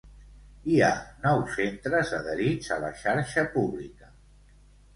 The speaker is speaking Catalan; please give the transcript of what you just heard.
Hi ha nous centres adherits a la xarxa pública.